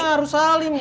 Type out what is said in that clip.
harus salim nih mah